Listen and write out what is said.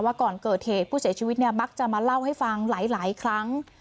ก่อนเกิดเหตุผู้เสียชีวิตเนี่ยมักจะมาเล่าให้ฟังหลายครั้ง